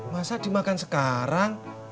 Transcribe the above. masa dimakan sekarang